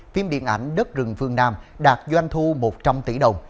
phim điện ảnh đất rừng phương nam đạt doanh thu một trăm linh tỷ đồng